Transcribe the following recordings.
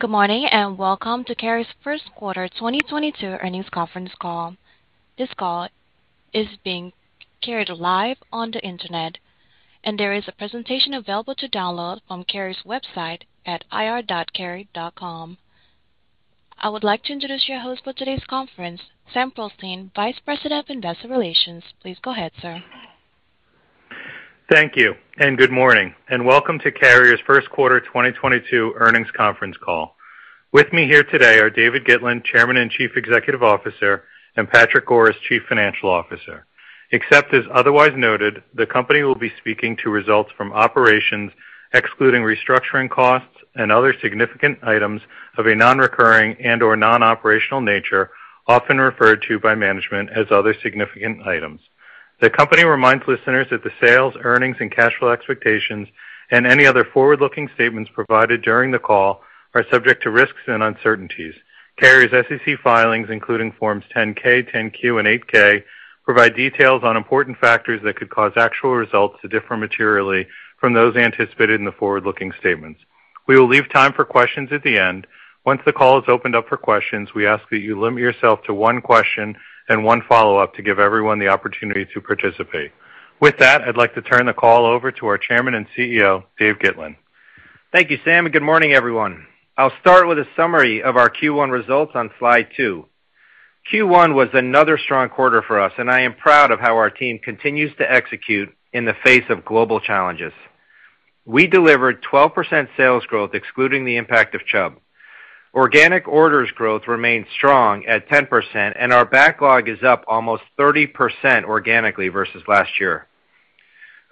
Good morning, and welcome to Carrier's first quarter 2022 earnings conference call. This call is being carried live on the internet, and there is a presentation available to download from Carrier's website at ir.carrier.com. I would like to introduce your host for today's conference, Sam Pearlstein, Vice President of Investor Relations. Please go ahead, sir. Thank you, and good morning, and welcome to Carrier's first quarter 2022 earnings conference call. With me here today are David Gitlin, Chairman and Chief Executive Officer, and Patrick Goris, Chief Financial Officer. Except as otherwise noted, the company will be speaking to results from operations excluding restructuring costs and other significant items of a non-recurring and/or non-operational nature, often referred to by management as other significant items. The company reminds listeners that the sales, earnings and cash flow expectations and any other forward-looking statements provided during the call are subject to risks and uncertainties. Carrier's SEC filings, including Forms 10-K, 10-Q, and 8-K, provide details on important factors that could cause actual results to differ materially from those anticipated in the forward-looking statements. We will leave time for questions at the end. Once the call is opened up for questions, we ask that you limit yourself to one question and one follow-up to give everyone the opportunity to participate. With that, I'd like to turn the call over to our Chairman and CEO, Dave Gitlin. Thank you, Sam, and good morning, everyone. I'll start with a summary of our Q1 results on slide 2. Q1 was another strong quarter for us, and I am proud of how our team continues to execute in the face of global challenges. We delivered 12% sales growth, excluding the impact of Chubb. Organic orders growth remains strong at 10%, and our backlog is up almost 30% organically versus last year.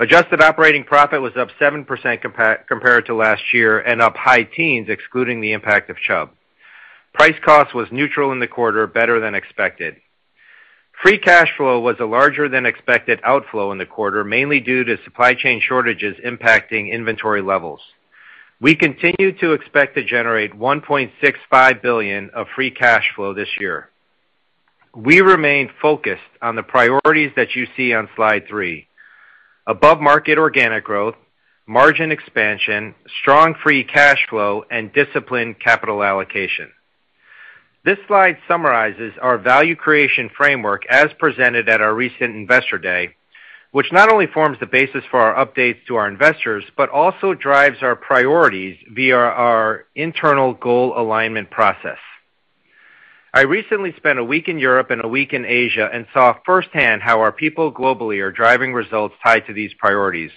Adjusted operating profit was up 7% compared to last year and up high teens, excluding the impact of Chubb. Price cost was neutral in the quarter, better than expected. Free cash flow was a larger than expected outflow in the quarter, mainly due to supply chain shortages impacting inventory levels. We continue to expect to generate $1.65 billion of free cash flow this year. We remain focused on the priorities that you see on slide 3 - above market organic growth, margin expansion, strong free cash flow, and disciplined capital allocation. This slide summarizes our value creation framework as presented at our recent Investor Day, which not only forms the basis for our updates to our investors, but also drives our priorities via our internal goal alignment process. I recently spent a week in Europe and a week in Asia, and saw firsthand how our people globally are driving results tied to these priorities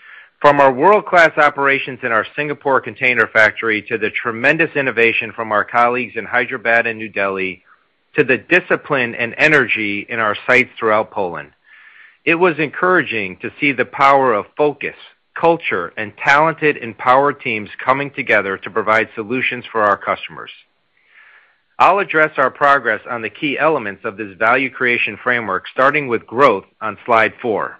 - from our world-class operations in our Singapore container factory to the tremendous innovation from our colleagues in Hyderabad and New Delhi, to the discipline and energy in our sites throughout Poland. It was encouraging to see the power of focus, culture, and talented, empowered teams coming together to provide solutions for our customers. I'll address our progress on the key elements of this value creation framework, starting with growth on slide 4.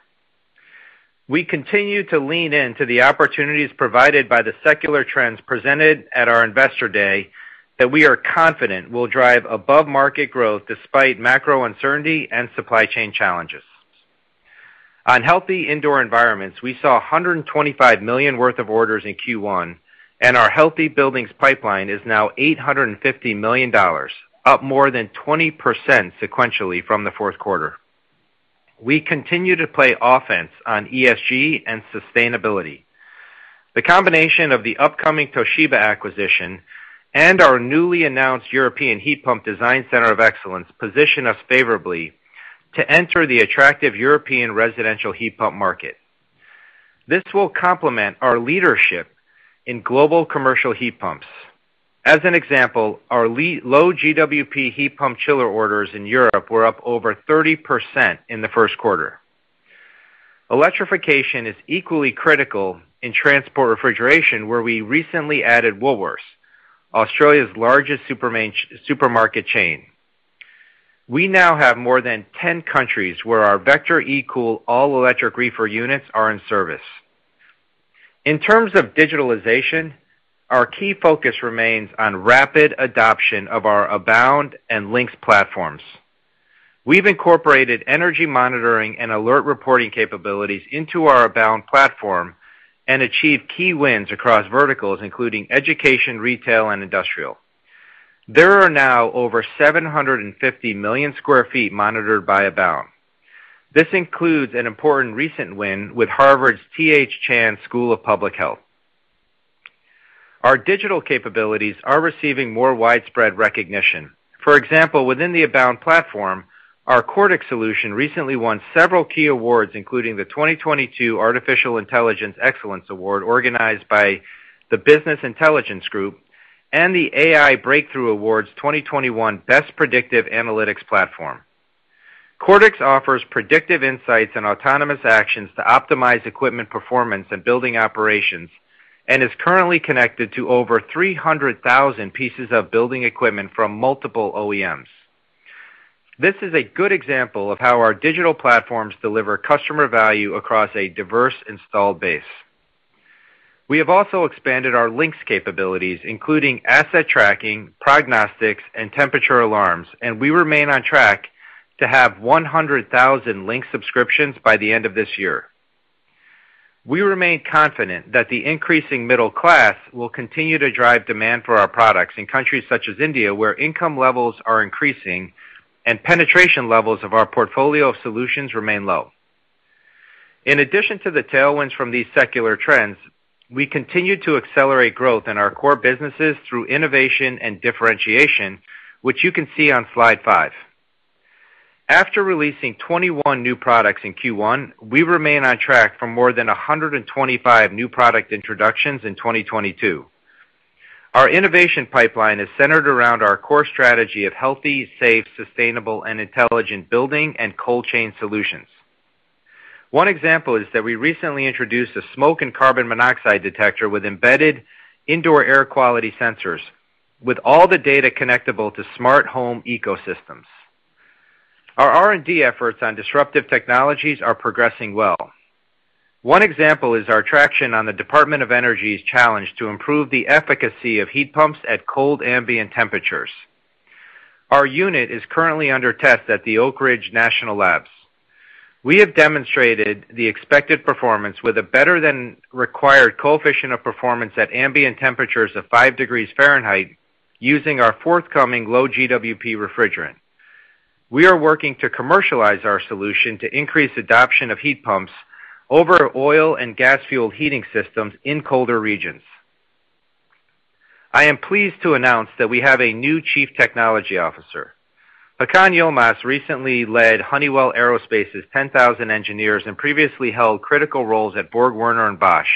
We continue to lean into the opportunities provided by the secular trends presented at our Investor Day that we are confident will drive above market growth despite macro uncertainty and supply chain challenges. On healthy indoor environments, we saw $125 million worth of orders in Q1, and our healthy buildings pipeline is now $850 million, up more than 20% sequentially from the fourth quarter. We continue to play offense on ESG and sustainability. The combination of the upcoming Toshiba acquisition and our newly announced European heat pump design center of excellence position us favorably to enter the attractive European residential heat pump market. This will complement our leadership in global commercial heat pumps. As an example, our low GWP heat pump chiller orders in Europe were up over 30% in the first quarter. Electrification is equally critical in transport refrigeration, where we recently added Woolworths, Australia's largest supermarket chain. We now have more than 10 countries where our Vector eCool all-electric reefer units are in service. In terms of digitalization, our key focus remains on rapid adoption of our Abound and Lynx platforms. We've incorporated energy monitoring and alert reporting capabilities into our Abound platform and achieved key wins across verticals, including education, retail, and industrial. There are now over 750 million sq ft monitored by Abound. This includes an important recent win with Harvard's T.H. Chan School of Public Health. Our digital capabilities are receiving more widespread recognition. For example, within the Abound platform, our Quartic solution recently won several key awards, including the 2022 Artificial Intelligence Excellence Award, organized by the Business Intelligence Group, and the AI Breakthrough Awards 2021 Best Predictive Analytics Platform. Quartic offers predictive insights and autonomous actions to optimize equipment performance and building operations, and is currently connected to over 300,000 pieces of building equipment from multiple OEMs. This is a good example of how our digital platforms deliver customer value across a diverse installed base. We have also expanded our Lynx capabilities, including asset tracking, prognostics, and temperature alarms, and we remain on track to have 100,000 Lynx subscriptions by the end of this year. We remain confident that the increasing middle class will continue to drive demand for our products in countries such as India, where income levels are increasing and penetration levels of our portfolio of solutions remain low. In addition to the tailwinds from these secular trends, we continue to accelerate growth in our core businesses through innovation and differentiation, which you can see on slide 5. After releasing 21 new products in Q1, we remain on track for more than 125 new product introductions in 2022. Our innovation pipeline is centered around our core strategy of healthy, safe, sustainable and intelligent building and cold chain solutions. One example is that we recently introduced a smoke and carbon monoxide detector with embedded indoor air quality sensors with all the data connectable to smart home ecosystems. Our R&D efforts on disruptive technologies are progressing well. One example is our traction on the Department of Energy's challenge to improve the efficacy of heat pumps at cold ambient temperatures. Our unit is currently under test at the Oak Ridge National Laboratory. We have demonstrated the expected performance with a better than required coefficient of performance at ambient temperatures of 5 degrees Fahrenheit using our forthcoming low GWP refrigerant. We are working to commercialize our solution to increase adoption of heat pumps over oil and gas fueled heating systems in colder regions. I am pleased to announce that we have a new Chief Technology Officer. Hakan Yilmaz recently led Honeywell Aerospace's 10,000 engineers and previously held critical roles at BorgWarner and Bosch.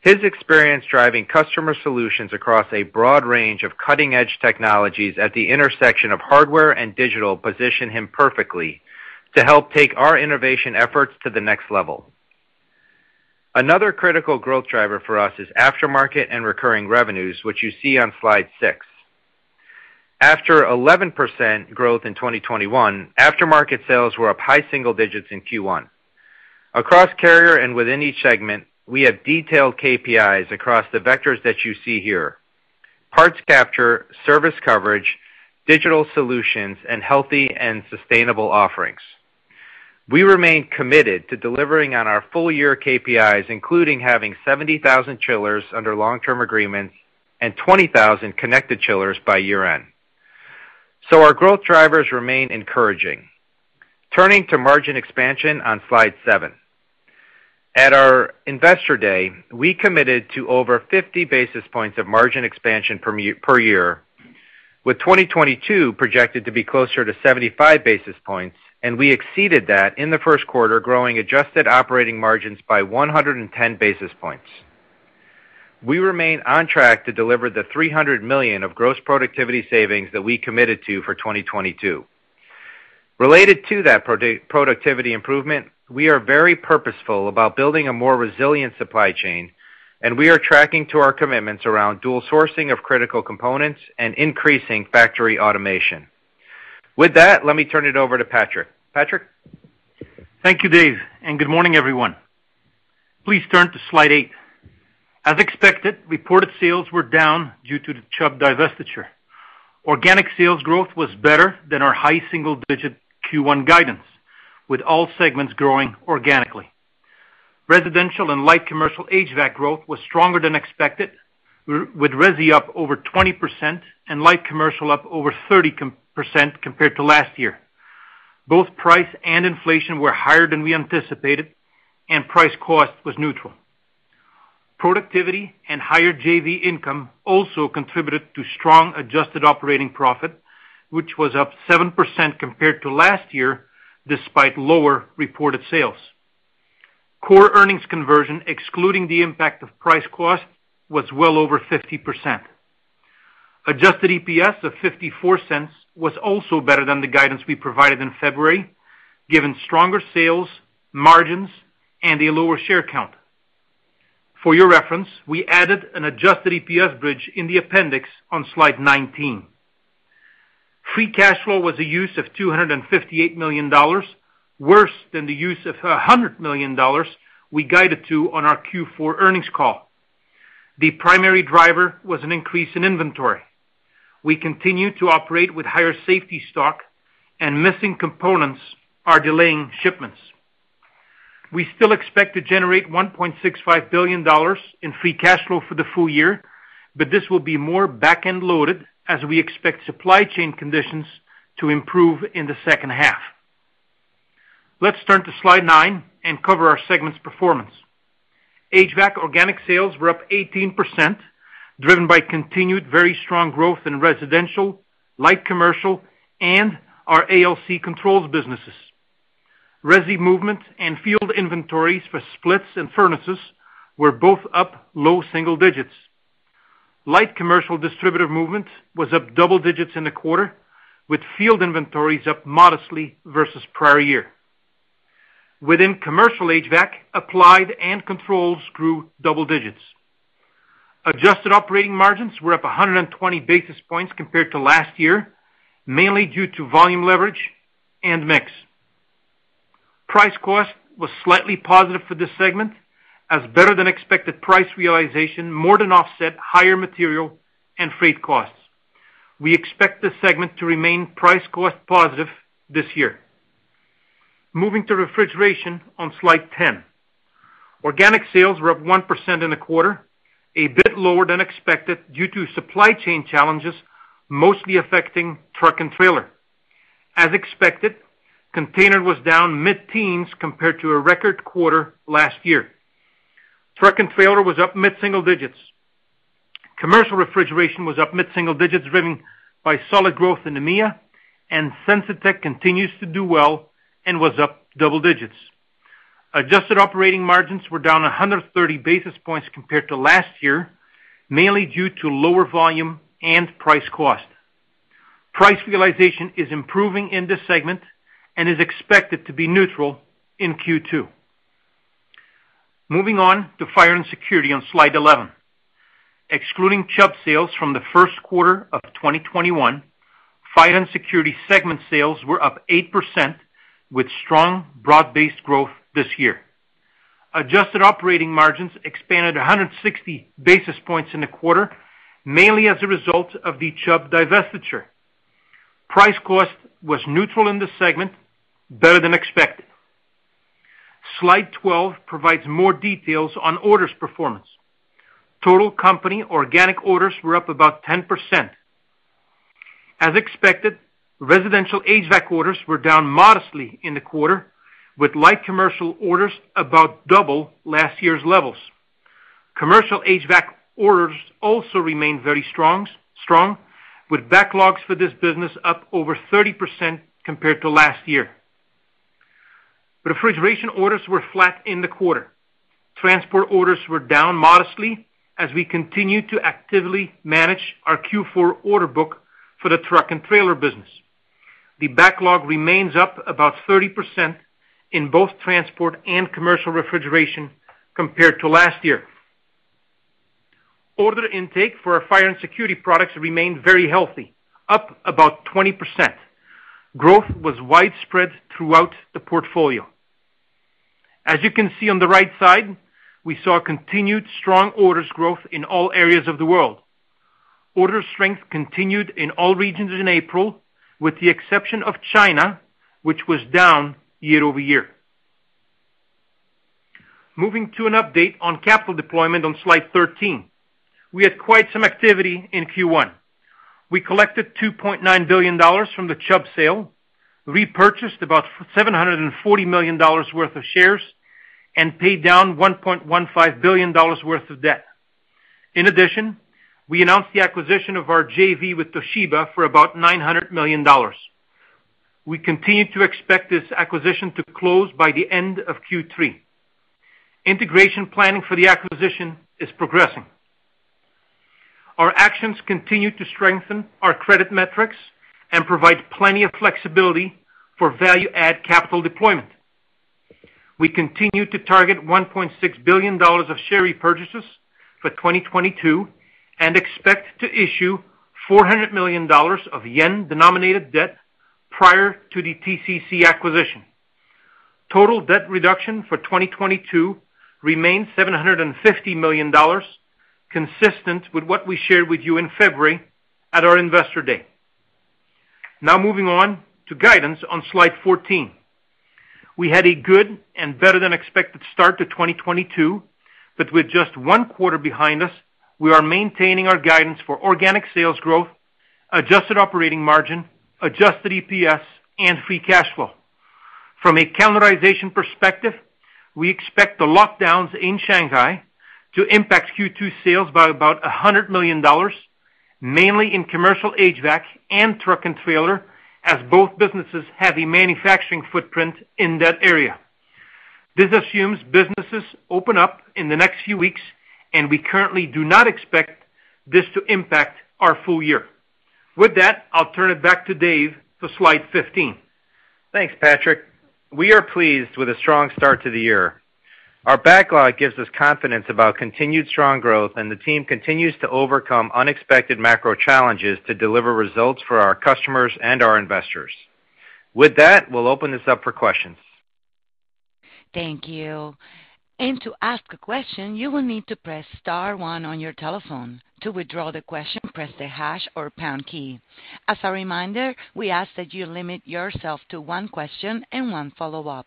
His experience driving customer solutions across a broad range of cutting-edge technologies at the intersection of hardware and digital position him perfectly to help take our innovation efforts to the next level. Another critical growth driver for us is aftermarket and recurring revenues, which you see on slide 6. After 11% growth in 2021, aftermarket sales were up high single-digits in Q1. Across Carrier and within each segment, we have detailed KPIs across the vectors that you see here: parts capture, service coverage, digital solutions, and healthy and sustainable offerings. We remain committed to delivering on our full year KPIs, including having 70,000 chillers under long-term agreements and 20,000 connected chillers by year-end. Our growth drivers remain encouraging. Turning to margin expansion on slide 7. At our Investor Day, we committed to over 50 basis points of margin expansion per year, with 2022 projected to be closer to 75 basis points, and we exceeded that in the first quarter, growing adjusted operating margins by 110 basis points. We remain on track to deliver $300 million of gross productivity savings that we committed to for 2022. Related to that productivity improvement, we are very purposeful about building a more resilient supply chain, and we are tracking to our commitments around dual sourcing of critical components and increasing factory automation. With that, let me turn it over to Patrick. Patrick? Thank you, Dave, and good morning, everyone. Please turn to slide 8. As expected, reported sales were down due to the Chubb divestiture. Organic sales growth was better than our high single-digit Q1 guidance, with all segments growing organically. Residential and light commercial HVAC growth was stronger than expected, with resi up over 20% and light commercial up over 30% compared to last year. Both price and inflation were higher than we anticipated and price cost was neutral. Productivity and higher JV income also contributed to strong adjusted operating profit, which was up 7% compared to last year, despite lower reported sales. Core earnings conversion, excluding the impact of price cost, was well over 50%. Adjusted EPS of $0.54 was also better than the guidance we provided in February, given stronger sales, margins and a lower share count. For your reference, we added an adjusted EPS bridge in the appendix on slide 19. Free cash flow was a use of $258 million, worse than the use of $100 million we guided to on our Q4 earnings call. The primary driver was an increase in inventory. We continue to operate with higher safety stock and missing components are delaying shipments. We still expect to generate $1.65 billion in free cash flow for the full year, but this will be more back-end loaded as we expect supply chain conditions to improve in the second half. Let's turn to slide 9 and cover our segments' performance. HVAC organic sales were up 18%, driven by continued very strong growth in residential, light commercial, and our ALC controls businesses. Resi movement and field inventories for splits and furnaces were both up low single-digits. Light commercial distributor movement was up double-digits in the quarter, with field inventories up modestly versus prior year. Within commercial HVAC, applied and controls grew double-digits. Adjusted operating margins were up 120 basis points compared to last year, mainly due to volume leverage and mix. Price cost was slightly positive for this segment as better than expected price realization more than offset higher material and freight costs. We expect this segment to remain price cost positive this year. Moving to refrigeration on slide 10. Organic sales were up 1% in the quarter, a bit lower than expected due to supply chain challenges, mostly affecting truck and trailer. As expected, container was down mid-teens compared to a record quarter last year. Truck and trailer was up mid-single-digits. Commercial refrigeration was up mid-single-digits, driven by solid growth in EMEA, and Sensitech continues to do well and was up double-digits. Adjusted operating margins were down 130 basis points compared to last year, mainly due to lower volume and price cost. Price realization is improving in this segment and is expected to be neutral in Q2. Moving on to fire and security on slide 11. Excluding Chubb sales from the first quarter of 2021, fire and security segment sales were up 8% with strong broad-based growth this year. Adjusted operating margins expanded 160 basis points in the quarter, mainly as a result of the Chubb divestiture. Price cost was neutral in this segment, better than expected. Slide 12 provides more details on orders performance. Total company organic orders were up about 10%. As expected, residential HVAC orders were down modestly in the quarter, with light commercial orders about double last year's levels. Commercial HVAC orders also remained very strong, with backlogs for this business up over 30% compared to last year. Refrigeration orders were flat in the quarter. Transport orders were down modestly as we continue to actively manage our Q4 order book for the truck and trailer business. The backlog remains up about 30% in both transport and commercial refrigeration compared to last year. Order intake for our fire and security products remained very healthy, up about 20%. Growth was widespread throughout the portfolio. As you can see on the right side, we saw continued strong orders growth in all areas of the world. Order strength continued in all regions in April, with the exception of China, which was down year-over-year. Moving to an update on capital deployment on slide 13. We had quite some activity in Q1. We collected $2.9 billion from the Chubb sale, repurchased about $740 million worth of shares, and paid down $1.15 billion worth of debt. In addition, we announced the acquisition of our JV with Toshiba for about $900 million. We continue to expect this acquisition to close by the end of Q3. Integration planning for the acquisition is progressing. Our actions continue to strengthen our credit metrics and provide plenty of flexibility for value add capital deployment. We continue to target $1.6 billion of share repurchases for 2022 and expect to issue $400 million of yen-denominated debt prior to the TCC acquisition. Total debt reduction for 2022 remains $750 million, consistent with what we shared with you in February at our Investor Day. Now moving on to guidance on slide 14. We had a good and better than expected start to 2022, but with just one quarter behind us, we are maintaining our guidance for organic sales growth, adjusted operating margin, adjusted EPS, and free cash flow. From a calendarization perspective, we expect the lockdowns in Shanghai to impact Q2 sales by about $100 million, mainly in commercial HVAC and truck and trailer, as both businesses have a manufacturing footprint in that area. This assumes businesses open up in the next few weeks, and we currently do not expect this to impact our full year. With that, I'll turn it back to Dave for slide 15. Thanks, Patrick. We are pleased with the strong start to the year. Our backlog gives us confidence about continued strong growth, and the team continues to overcome unexpected macro challenges to deliver results for our customers and our investors. With that, we'll open this up for questions. Thank you. To ask a question, you will need to press star one on your telephone. To withdraw the question, press the hash or pound key. As a reminder, we ask that you limit yourself to one question and one follow-up.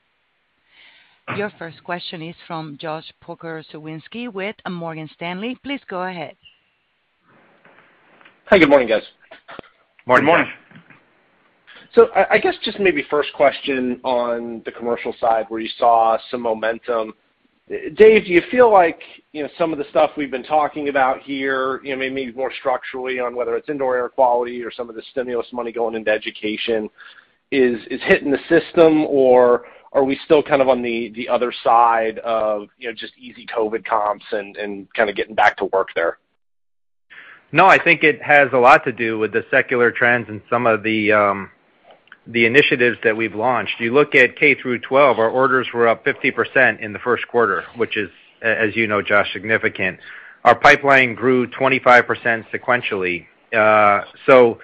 Your first question is from Josh Pokrzywinski with Morgan Stanley. Please go ahead. Hi, good morning, guys. Morning. Good morning. I guess, just maybe, first question on the commercial side where you saw some momentum. Dave, do you feel like, you know, some of the stuff we've been talking about here, you know, maybe more structurally on whether it's indoor air quality or some of the stimulus money going into education is hitting the system, or are we still kind of on the other side of, you know, just easy COVID comps and kind of getting back to work there? No, I think it has a lot to do with the secular trends and some of the initiatives that we've launched. You look at K-12, our orders were up 50% in the first quarter, which is, as you know, Josh, significant. Our pipeline grew 25% sequentially. So,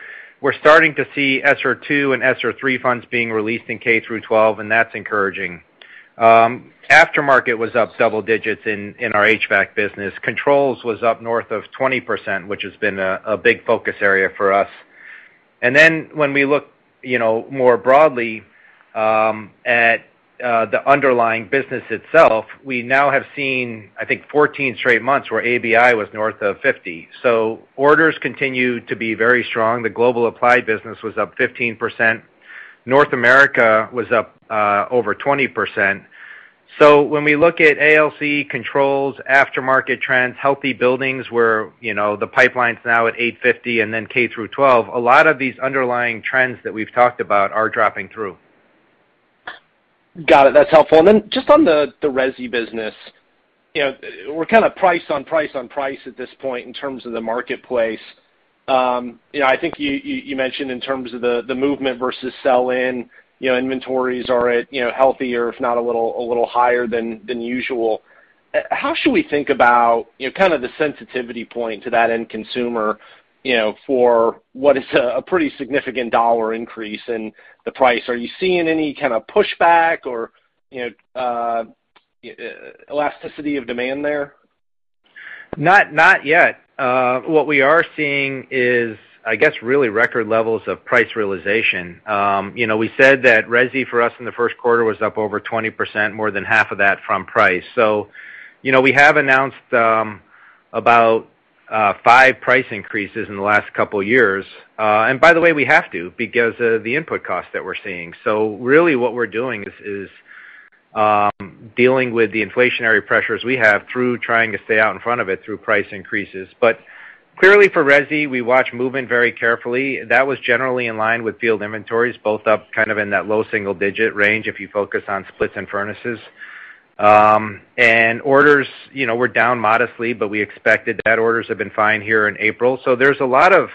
we're starting to see ESSER II and ESSER III funds being released in K-12, and that's encouraging. Aftermarket was up several digits in our HVAC business. Controls was up north of 20%, which has been a big focus area for us. When we look more broadly at the underlying business itself, we now have seen, I think, 14 straight months where ABI was north of 50%. So, orders continue to be very strong. The global applied business was up 15%. North America was up over 20%. When we look at ALC controls, aftermarket trends, healthy buildings where, you know, the pipeline's now at $850 and then K-12, a lot of these underlying trends that we've talked about are dropping through. Got it. That's helpful. Just on the resi business, you know, we're kind of price-on-price at this point in terms of the marketplace. You know, I think you mentioned in terms of the movement versus sell in, you know, inventories are at, you know, healthier, if not a little higher than usual. How should we think about, you know, kind of the sensitivity point to that end consumer, you know, for what is a pretty significant dollar increase in the price? Are you seeing any kind of pushback or, you know, elasticity of demand there? Not yet. What we are seeing is, I guess, really record levels of price realization. You know, we said that resi for us in the first quarter was up over 20%, more than 1/2 of that from price. You know, we have announced about five price increases in the last couple of years--by the way, we have to because of the input costs that we're seeing. Really, what we're doing is dealing with the inflationary pressures we have through trying to stay out in front of it through price increases. Clearly for resi, we watch movement very carefully. That was generally in line with field inventories, both up kind of in that low single-digit range if you focus on splits and furnaces. Orders, you know, were down modestly, but we expected that. Orders have been fine here in April. There's a lot of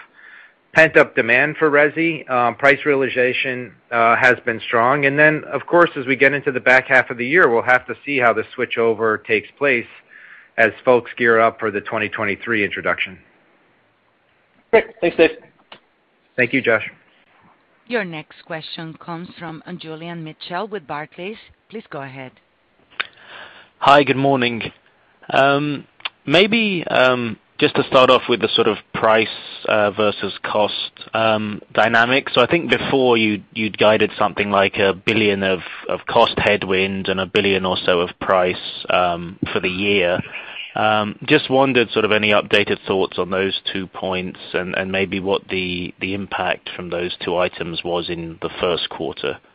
pent-up demand for resi. Price realization has been strong. Then, of course, as we get into the back half of the year, we'll have to see how the switchover takes place as folks gear up for the 2023 introduction. Great. Thanks, Dave. Thank you, Josh. Your next question comes from Julian Mitchell with Barclays. Please go ahead. Hi. Good morning. Maybe just to start off with the sort of price versus cost dynamic. I think before you'd guided something like $1 billion of cost headwind and $1 billion or so of price for the year. Just wondered sort of any updated thoughts on those two points and maybe what the impact from those two items was in the first quarter. Yeah.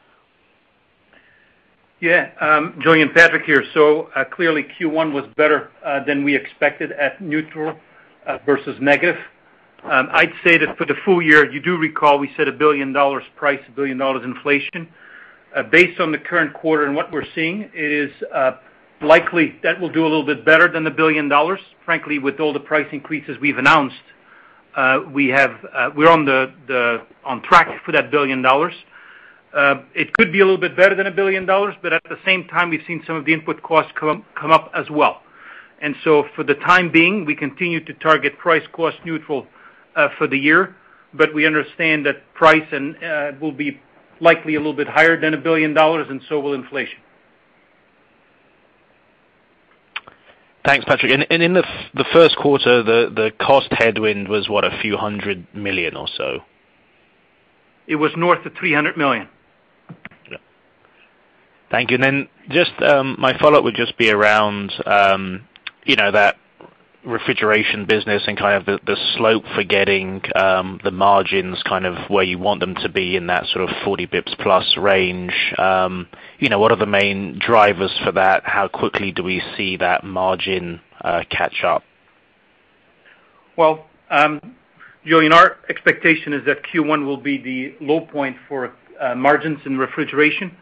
Julian, Patrick here. Clearly Q1 was better than we expected at neutral versus negative. I'd say that for the full year, you do recall we said $1 billion price, $1 billion inflation. Based on the current quarter and what we're seeing, it is likely that we'll do a little bit better than $1 billion. Frankly, with all the price increases we've announced, we're on track for that $1 billion. It could be a little bit better than $1 billion, but at the same time, we've seen some of the input costs come up as well. For the time being, we continue to target price-cost neutral for the year, but we understand that pricing will be likely a little bit higher than $1 billion and so will inflation. Thanks, Patrick. In the first quarter, the cost headwind was, what, a few hundred million dollars or so? It was north of $300 million. Yeah. Thank you. Then, just, my follow-up would just be around, you know, that refrigeration business and kind of the slope for getting the margins kind of where you want them to be in that sort of 40 basis points plus range. You know, what are the main drivers for that? How quickly do we see that margin catch up? Well, Julian, our expectation is that Q1 will be the low point for margins in refrigeration.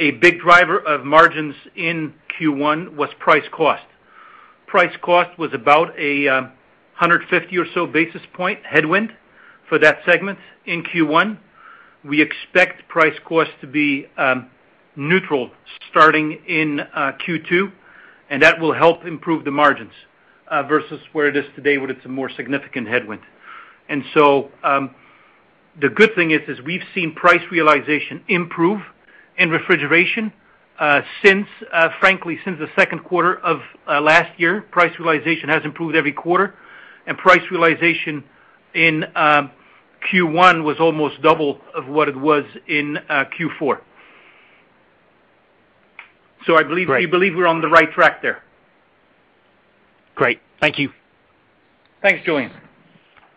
A big driver of margins in Q1 was price-cost. Price-cost was about 150 or so basis points headwind for that segment in Q1. We expect price-cost to be neutral starting in Q2, and that will help improve the margins versus where it is today, where it's a more significant headwind. The good thing is we've seen price realization improve in refrigeration since, frankly, the second quarter of last year. Price realization has improved every quarter, and price realization in Q1 was almost double of what it was in Q4. I believe- Great. We believe we're on the right track there. Great. Thank you. Thanks, Julian.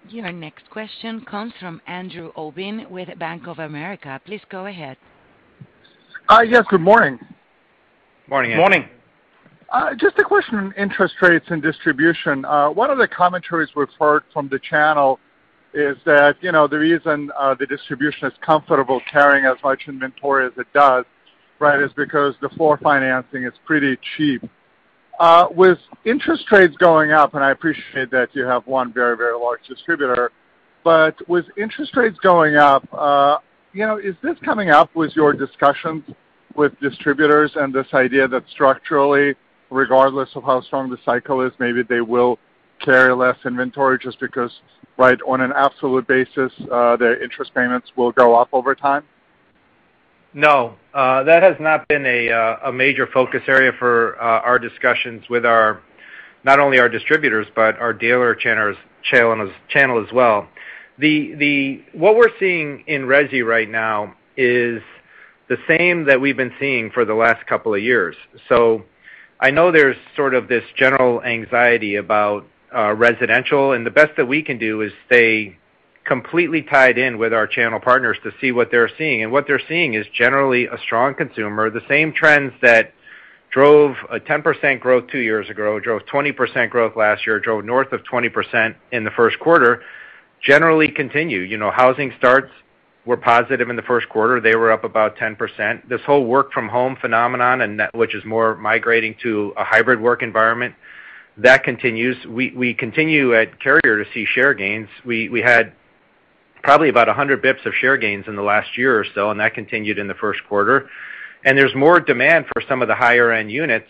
Your next question comes from Andrew Obin with Bank of America. Please go ahead. Yes, good morning. Morning, Andrew. Morning. Just a question on interest rates and distribution. One of the commentaries we've heard from the channel is that, you know, the reason the distribution is comfortable carrying as much inventory as it does, right, is because the floor plan financing is pretty cheap. With interest rates going up, and I appreciate that you have one very, very large distributor, but with interest rates going up, you know, is this coming up with your discussions with distributors and this idea that structurally, regardless of how strong the cycle is, maybe they will carry less inventory just because, right, on an absolute basis, their interest payments will go up over time? No. That has not been a major focus area for our discussions with our—not only our distributors, but our dealer channel as well. What we're seeing in resi right now is the same that we've been seeing for the last couple of years. I know there's sort of this general anxiety about residential, and the best that we can do is stay completely tied in with our channel partners to see what they're seeing. What they're seeing is generally a strong consumer. The same trends that drove a 10% growth two years ago, drove 20% growth last year, drove north of 20% in the first quarter, generally continue. You know, housing starts were positive in the first quarter, they were up about 10%. This whole work from home phenomenon which is more migrating to a hybrid work environment, that continues. We continue at Carrier to see share gains. We had probably about 100 basis points of share gains in the last year or so, and that continued in the first quarter. There's more demand for some of the higher-end units.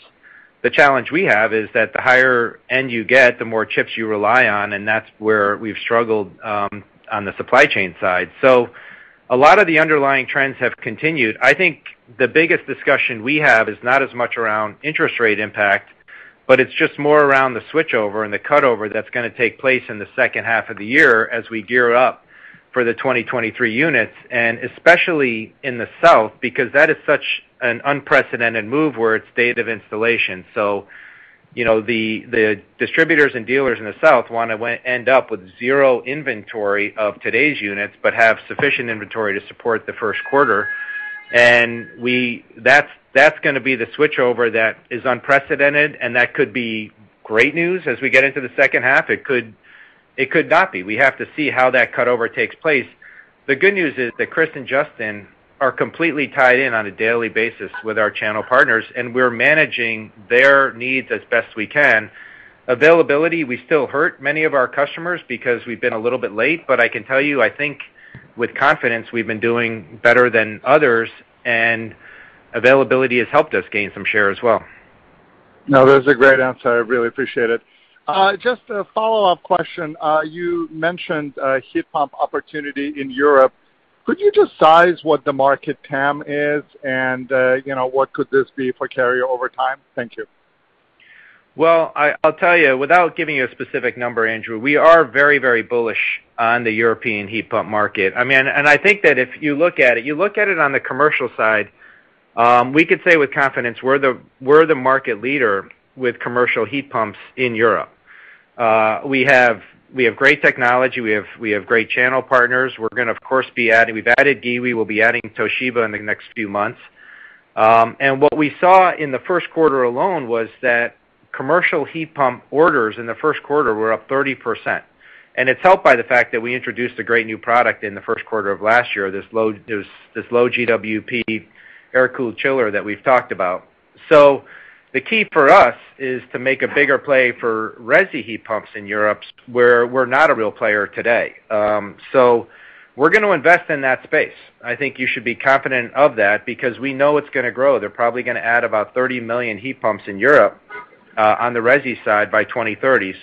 The challenge we have is that the higher end you get, the more chips you rely on, and that's where we've struggled on the supply chain side. A lot of the underlying trends have continued. I think the biggest discussion we have is not as much around interest rate impact, but it's just more around the switchover and the cut-over that's gonna take place in the second half of the year as we gear up for the 2023 units, and especially in the south, because that is such an unprecedented move where it's date of installation. You know, the distributors and dealers in the south wanna end up with zero inventory of today's units, but have sufficient inventory to support the first quarter. That's gonna be the switchover that is unprecedented, and that could be great news as we get into the second half. It could not be. We have to see how that cut-over takes place. The good news is that Chris and Justin are completely tied in on a daily basis with our channel partners, and we're managing their needs as best we can. Availability, we still hurt many of our customers because we've been a little bit late, but I can tell you, I think with confidence, we've been doing better than others, and availability has helped us gain some share as well. No, that was a great answer. I really appreciate it. Just a follow-up question. You mentioned a heat pump opportunity in Europe. Could you just size what the market TAM is and, you know, what could this be for Carrier over time? Thank you. Well, I'll tell you, without giving you a specific number, Andrew, we are very, very bullish on the European heat pump market. I mean, I think that if you look at it on the commercial side, we could say with confidence we're the market leader with commercial heat pumps in Europe. We have great technology, we have great channel partners. We're gonna, of course, be adding. We've added GE, we will be adding Toshiba in the next few months. What we saw in the first quarter alone was that commercial heat pump orders in the first quarter were up 30%. It's helped by the fact that we introduced a great new product in the first quarter of last year, this low GWP air-cooled chiller that we've talked about. The key for us is to make a bigger play for resi heat pumps in Europe where we're not a real player today. We're gonna invest in that space. I think you should be confident of that because we know it's gonna grow. They're probably gonna add about 30 million heat pumps in Europe, on the resi side by 2030.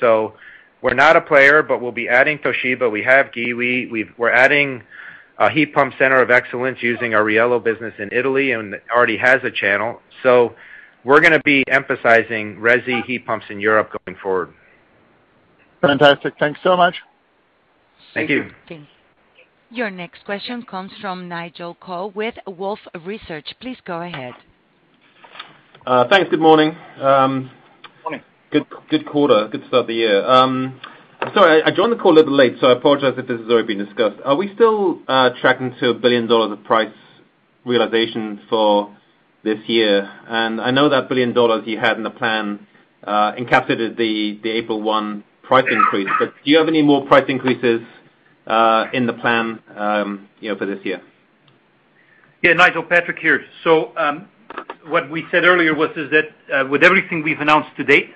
We're not a player, but we'll be adding Toshiba. We have GE, we're adding a heat pump center of excellence using our Riello business in Italy, and it already has a channel. We're gonna be emphasizing resi heat pumps in Europe going forward. Fantastic. Thanks so much. Thank you. Thank you. Your next question comes from Nigel Coe with Wolfe Research. Please go ahead. Thanks. Good morning. Morning. Good quarter. Good start to the year. Sorry, I joined the call a little late, so I apologize if this has already been discussed. Are we still tracking to $1 billion of price realization for this year? I know that $1 billion you had in the plan encapsulated the April 1 price increase, but do you have any more price increases in the plan, you know, for this year? Yeah, Nigel, Patrick here. What we said earlier was that, with everything we've announced to date,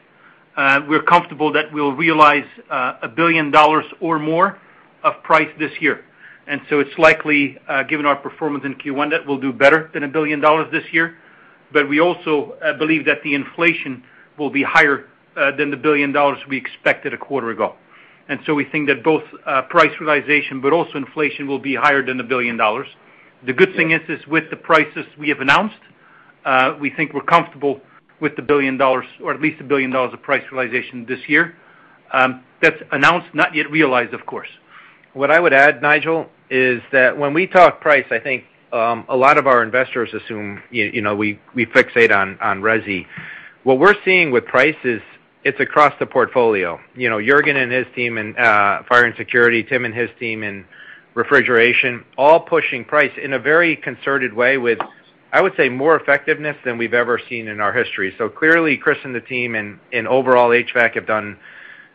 we're comfortable that we'll realize $1 billion or more of price this year. It's likely, given our performance in Q1, that we'll do better than $1 billion this year. We also believe that the inflation will be higher than the $1 billion we expected a quarter ago. We think that both price realization, but also inflation will be higher than $1 billion. The good thing is with the prices we have announced, we think we're comfortable with the $1 billion or at least $1 billion of price realization this year. That's announced, not yet realized, of course. What I would add, Nigel, is that when we talk price, I think a lot of our investors assume you know we fixate on resi. What we're seeing with price is it's across the portfolio. You know, Jurgen and his team in fire and security, Tim and his team in refrigeration, all pushing price in a very concerted way with I would say more effectiveness than we've ever seen in our history. Clearly, Chris and the team in overall HVAC have done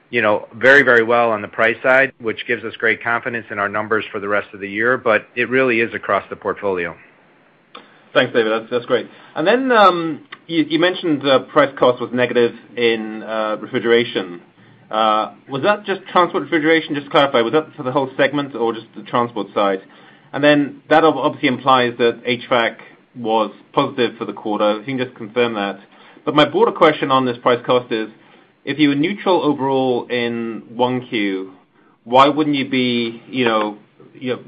you know very very well on the price side, which gives us great confidence in our numbers for the rest of the year, but it really is across the portfolio. Thanks, David. That's great. Then, you mentioned the price cost was negative in refrigeration. Was that just transport refrigeration? Just to clarify, was that for the whole segment or just the transport side? That obviously implies that HVAC was positive for the quarter. If you can just confirm that. My broader question on this price cost is, if you were neutral overall in 1Q, why wouldn't you be, you know,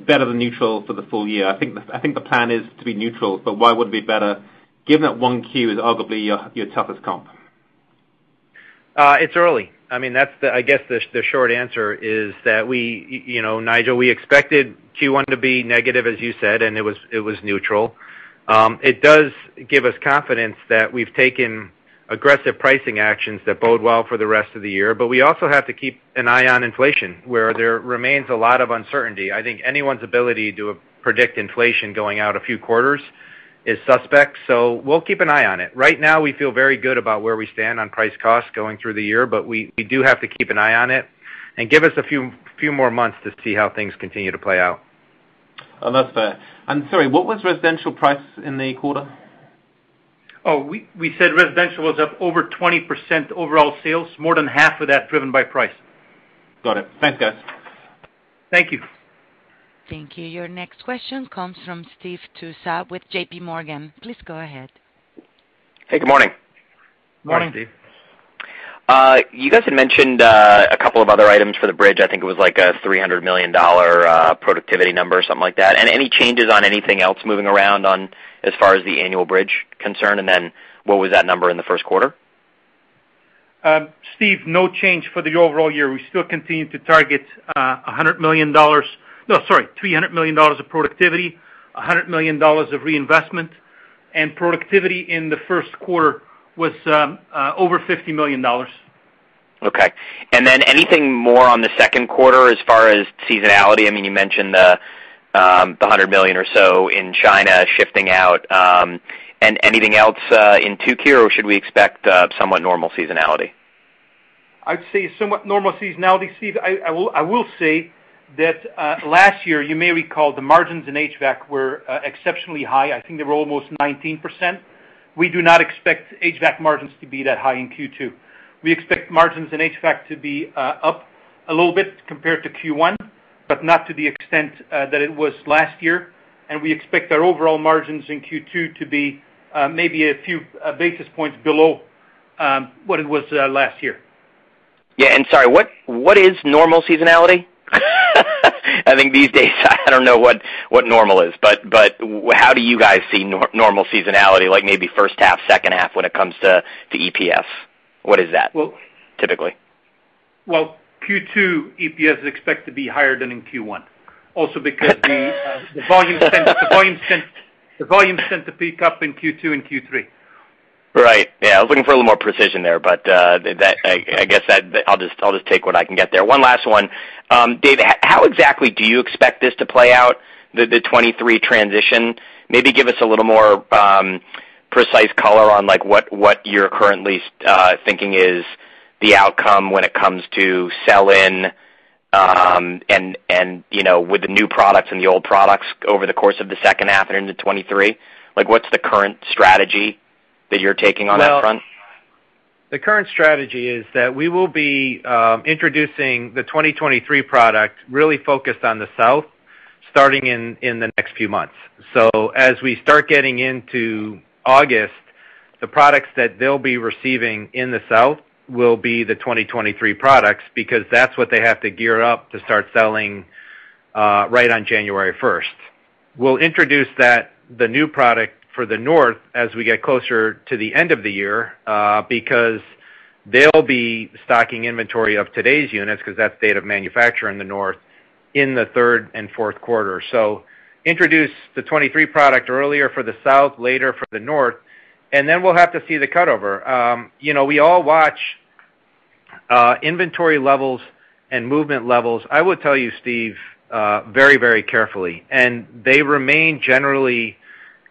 better than neutral for the full year? I think the plan is to be neutral, but why would it be better given that 1Q is arguably your toughest comp? It's early. I mean, I guess the short answer is that we, you know, Nigel, we expected Q1 to be negative, as you said, and it was neutral. It does give us confidence that we've taken aggressive pricing actions that bode well for the rest of the year. We also have to keep an eye on inflation, where there remains a lot of uncertainty. I think anyone's ability to predict inflation going out a few quarters is suspect, so we'll keep an eye on it. Right now, we feel very good about where we stand on price cost going through the year, but we do have to keep an eye on it and give us a few more months to see how things continue to play out. Oh, that's fair. I'm sorry, what was residential price in the quarter? We said residential was up over 20% overall sales, more than 1/2 of that driven by price. Got it. Thanks, guys. Thank you. Thank you. Your next question comes from Steve Tusa with JPMorgan. Please go ahead. Hey, good morning. Morning. Morning, Steve. You guys had mentioned a couple of other items for the bridge. I think it was like a $300 million productivity number or something like that. Any changes on anything else moving around on as far as the annual bridge concern? What was that number in the first quarter? Steve, no change for the overall year. We still continue to target $100 million. No, sorry, $300 million of productivity, $100 million of reinvestment. Productivity in the first quarter was over $50 million. Okay. Anything more on the second quarter as far as seasonality? I mean, you mentioned the $100 million or so in China shifting out. Anything else in 2Q, or should we expect somewhat normal seasonality? I'd say somewhat normal seasonality, Steve. I will say that last year, you may recall the margins in HVAC were exceptionally high. I think they were almost 19%. We do not expect HVAC margins to be that high in Q2. We expect margins in HVAC to be up a little bit compared to Q1, but not to the extent that it was last year. We expect our overall margins in Q2 to be maybe a few basis points below what it was last year. Yeah. Sorry, what is normal seasonality? I think these days I don't know what normal is. How do you guys see normal seasonality, like maybe first half, second half when it comes to EPS? What is that? Well- Typically. Well, Q2 EPS is expected to be higher than in Q1. Also because the volume tends to pick up in Q2 and Q3. Right. Yeah, I was looking for a little more precision there, but that, I guess I'll just take what I can get there. One last one. Dave, how exactly do you expect this to play out, the 2023 transition? Maybe give us a little more precise color on like what you're currently thinking is the outcome when it comes to sell-in, and, you know, with the new products and the old products over the course of the second half and into 2023. Like, what's the current strategy that you're taking on that front? The current strategy is that we will be introducing the 2023 product really focused on the south starting in the next few months. As we start getting into August, the products that they'll be receiving in the south will be the 2023 products because that's what they have to gear up to start selling right on January 1. We'll introduce the new product for the north as we get closer to the end of the year because they'll be stocking inventory of today's units because that's the date of manufacture in the north in the third and fourth quarter. Introduce the 2023 product earlier for the south, later for the north, and then we'll have to see the cut over. You know, we all watch inventory levels and movement levels. I will tell you, Steve, very, very carefully. They remain generally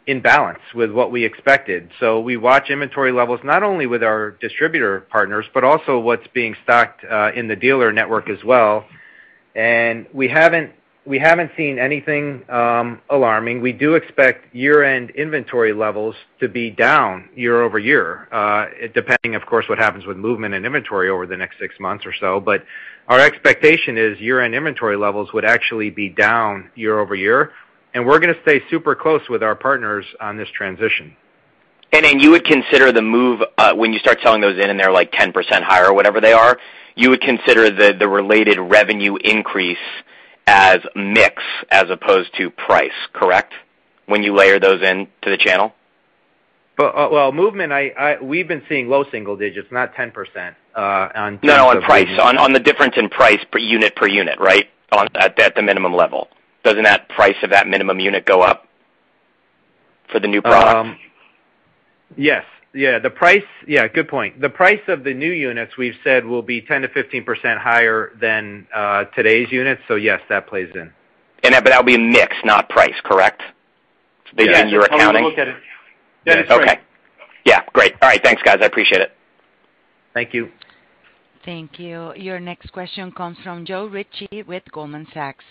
in balance with what we expected. We watch inventory levels not only with our distributor partners, but also what's being stocked in the dealer network as well. We haven't seen anything alarming. We do expect year-end inventory levels to be down year-over-year, depending of course what happens with movement and inventory over the next six months or so. Our expectation is year-end inventory levels would actually be down year-over-year, and we're gonna stay super close with our partners on this transition. Then you would consider the move, when you start selling those in, and they're like 10% higher or whatever they are, you would consider the related revenue increase as mix as opposed to price, correct? When you layer those in to the channel. Well, movement. I—we've been seeing low single-digits, not 10%, in terms of- No, on price. On the difference in price per unit, right? At the minimum level. Doesn't that price of that minimum unit go up for the new products? Yes. Yeah, good point. The price of the new units we've said will be 10%-15% higher than today's units. Yes, that plays in. That would be mix, not price, correct? Based on your accounting. Yes, that's how we look at it. That is correct. Okay. Yeah, great. All right, thanks, guys. I appreciate it. Thank you. Thank you. Your next question comes from Joe Ritchie with Goldman Sachs.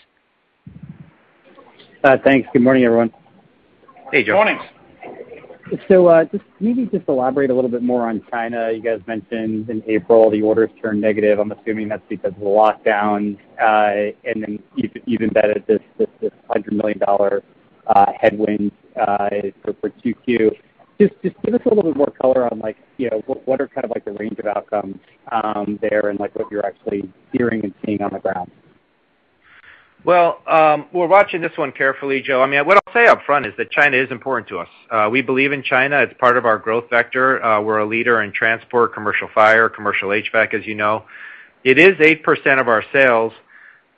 Thanks. Good morning, everyone. Hey, Joe. Morning. Just maybe elaborate a little bit more on China. You guys mentioned in April the orders turned negative. I'm assuming that's because of the lockdown. And then, you've embedded this $100 million headwind for 2Q. Just give us a little bit more color on like, you know, what are kind of like the range of outcomes there and like what you're actually hearing and seeing on the ground. Well, we're watching this one carefully, Joe. I mean, what I'll say up front is that China is important to us. We believe in China. It's part of our growth vector. We're a leader in transport, commercial fire, commercial HVAC, as you know. It is 8% of our sales.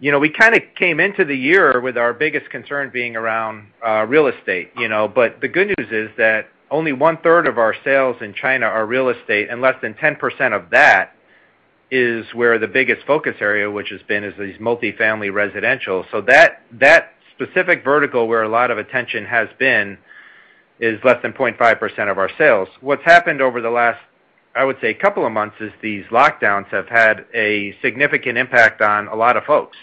You know, we kinda came into the year with our biggest concern being around real estate, you know. But, the good news is that only 1/3 of our sales in China are real estate, and less than 10% of that is where the biggest focus area, which has been, is these multifamily residential. That specific vertical where a lot of attention has been is less than 0.5% of our sales. What's happened over the last, I would say, couple of months is these lockdowns have had a significant impact on a lot of folks.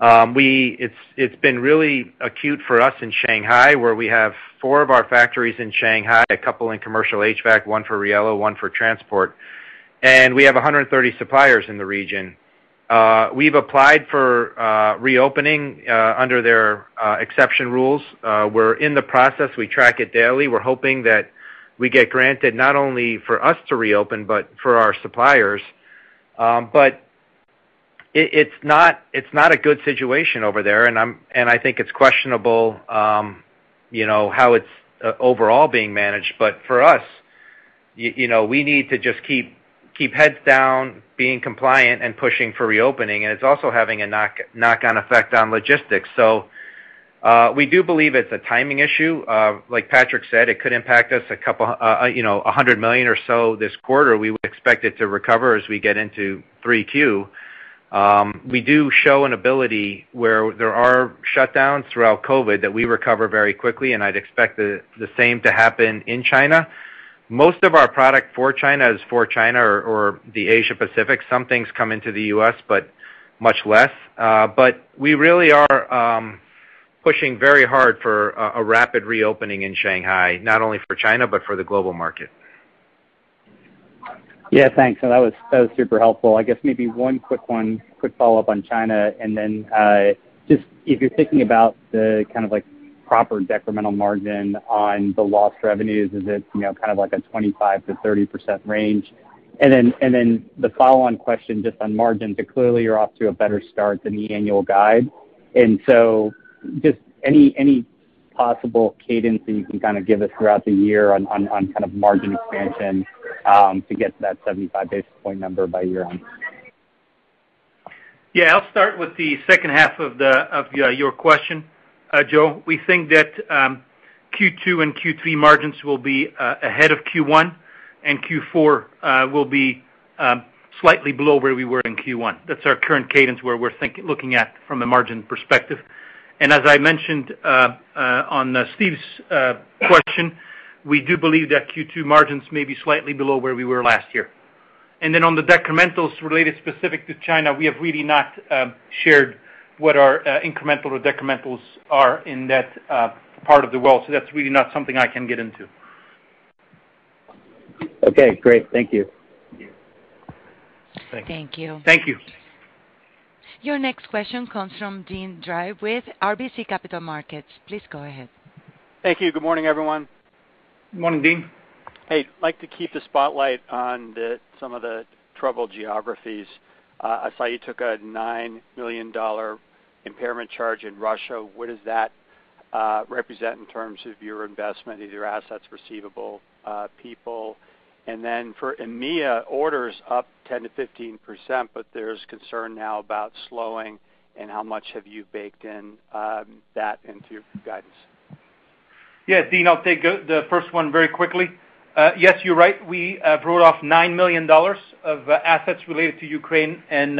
It's been really acute for us in Shanghai, where we have four of our factories in Shanghai, a couple in commercial HVAC, one for Riello, one for transport. We have 130 suppliers in the region. We've applied for reopening under their exception rules. We're in the process. We track it daily. We're hoping that we get granted not only for us to reopen, but for our suppliers. It's not a good situation over there, and I think it's questionable, you know, how it's overall being managed. For us, you know, we need to just keep, heads down, being compliant and pushing for reopening, and it's also having a knock-on effect on logistics. We do believe it's a timing issue. Like Patrick said, it could impact us a couple, you know, $100 million or so this quarter. We would expect it to recover as we get into 3Q. We do show an ability where there are shutdowns throughout COVID that we recover very quickly, and I'd expect the same to happen in China. Most of our product for China is for China or the Asia Pacific. Some things come into the U.S., but much less. We really are pushing very hard for a rapid reopening in Shanghai, not only for China, but for the global market. Yeah, thanks. That was super helpful. I guess maybe one quick follow-up on China, and then, just, if you're thinking about the kind of like proper decremental margin on the lost revenues, is it, you know, kind of like a 25%-30% range? Then the follow-on question just on margin, but clearly you're off to a better start than the annual guide. Just, any possible cadence that you can kind of give us throughout the year on kind of margin expansion to get to that 75 basis point number by year-end. Yeah. I'll start with the second half of your question, Joe. We think that Q2 and Q3 margins will be ahead of Q1, and Q4 will be slightly below where we were in Q1. That's our current cadence where we're looking at from a margin perspective. As I mentioned on Steve's question, we do believe that Q2 margins may be slightly below where we were last year. On the decrementals related specifically to China, we have really not shared what our incremental or decrementals are in that part of the world, so that's really not something I can get into. Okay, great. Thank you. Thank you. Thank you. Thank you. Your next question comes from Deane Dray with RBC Capital Markets. Please go ahead. Thank you. Good morning, everyone. Morning, Deane. Hey, I'd like to keep the spotlight on some of the troubled geographies. I saw you took a $9 million impairment charge in Russia. What does that represent in terms of your investment? These are assets receivable, people. For EMEA, orders up 10%-15%, but there's concern now about slowing, and how much have you baked in that into your guidance? Yeah, Deane, I'll take the first one very quickly. Yes, you're right. We wrote off $9 million of assets related to Ukraine and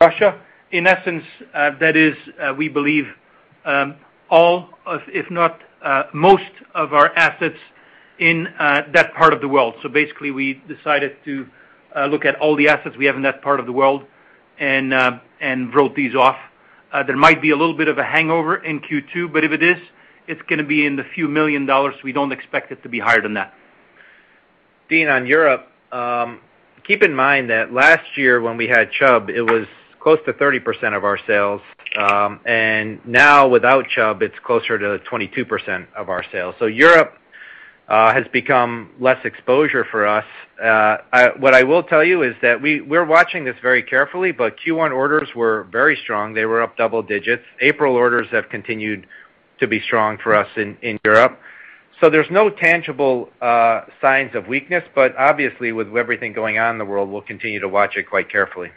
Russia. In essence, that is, we believe, all of, if not most, of our assets in that part of the world. Basically, we decided to look at all the assets we have in that part of the world and wrote these off. There might be a little bit of a hangover in Q2, but if it is, it's gonna be in the few million dollars. We don't expect it to be higher than that. Deane, on Europe, keep in mind that last year when we had Chubb, it was close to 30% of our sales. Now without Chubb, it's closer to 22% of our sales. Europe has become less exposure for us. What I will tell you is that we're watching this very carefully, but Q1 orders were very strong. They were up double-digits. April orders have continued to be strong for us in Europe. There's no tangible signs of weakness, but, obviously, with everything going on in the world, we'll continue to watch it quite carefully.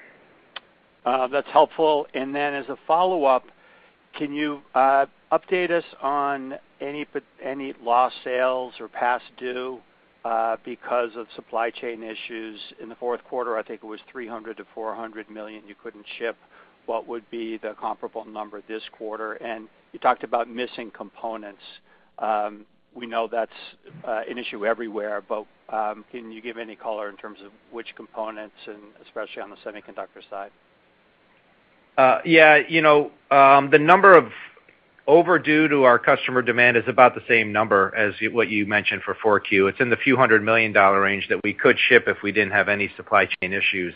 That's helpful. Then as a follow-up, can you update us on any lost sales or past due because of supply chain issues? In the fourth quarter, I think it was $300 million-$400 million you couldn't ship. What would be the comparable number this quarter? You talked about missing components. We know that's an issue everywhere, but can you give any color in terms of which components and especially on the semiconductor side? Yeah. You know, the number overdue due to our customer demand is about the same number as what you mentioned for 4Q. It's in the few hundred million dollar range that we could ship if we didn't have any supply chain issues.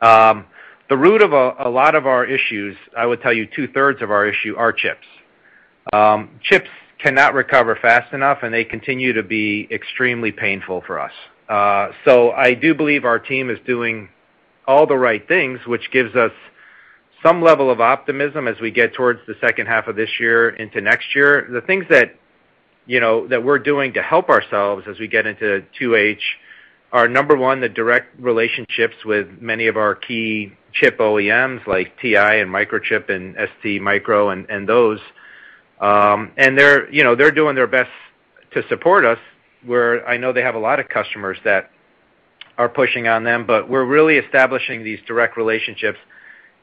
The root of a lot of our issues, I would tell you, 2/3 of our issue are chips. Chips cannot recover fast enough, and they continue to be extremely painful for us. I do believe our team is doing all the right things, which gives us some level of optimism as we get towards the second half of this year into next year. The things that, you know, that we're doing to help ourselves as we get into 2H are, number one, the direct relationships with many of our key chip OEMs like TI and Microchip and STMicro and those. They're, you know, they're doing their best to support us, where I know they have a lot of customers that are pushing on them, but we're really establishing these direct relationships.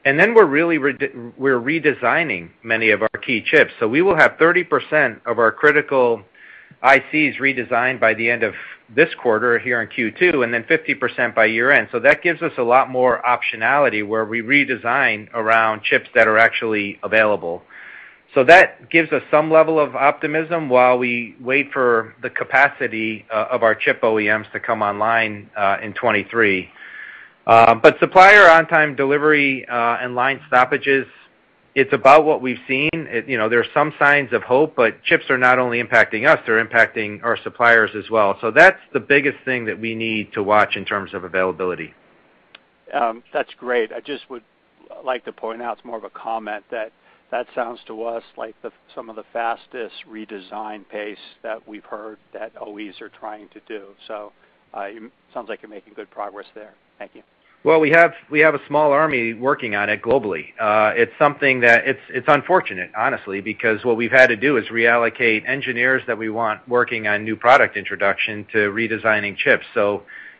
Then we're really redesigning many of our key chips. We will have 30% of our critical ICs redesigned by the end of this quarter here in Q2, and then 50% by year-end. That gives us a lot more optionality where we redesign around chips that are actually available. That gives us some level of optimism while we wait for the capacity of our chip OEMs to come online in 2023. Supplier on-time delivery and line stoppages, it's about what we've seen. You know, there are some signs of hope, but chips are not only impacting us, they're impacting our suppliers as well. That's the biggest thing that we need to watch in terms of availability. That's great. I just would like to point out, it's more of a comment, that sounds to us like some of the fastest redesign pace that we've heard that OEMs are trying to do. It sounds like you're making good progress there. Thank you. Well, we have a small army working on it globally. It's unfortunate, honestly, because what we've had to do is reallocate engineers that we want working on new product introduction to redesigning chips.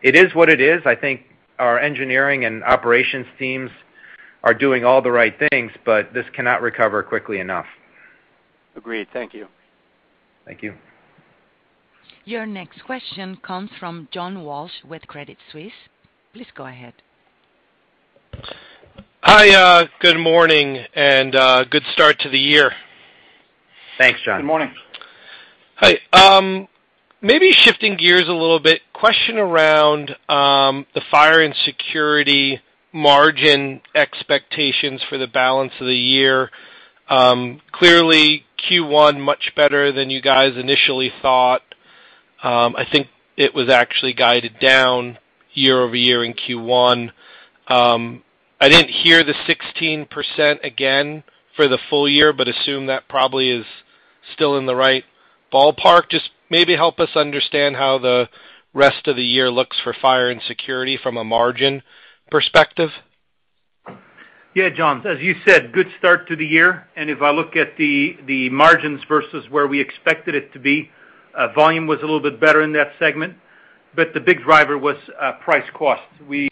It is what it is. I think our engineering and operations teams are doing all the right things, but this cannot recover quickly enough. Agreed. Thank you. Thank you. Your next question comes from John Walsh with Credit Suisse. Please go ahead. Hi, good morning and good start to the year. Thanks, John. Good morning. Hi. Maybe shifting gears a little bit, question around the fire and security margin expectations for the balance of the year. Clearly Q1 much better than you guys initially thought. I think it was actually guided down year-over-year in Q1. I didn't hear the 16% again for the full year, but assume that probably is still in the right ballpark. Just, maybe help us understand how the rest of the year looks for fire and security from a margin perspective. Yeah, John. As you said, good start to the year, if I look at the margins versus where we expected it to be, volume was a little bit better in that segment, but the big driver was price cost. We